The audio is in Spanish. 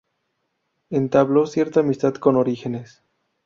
Entabló cierta amistad con Orígenes.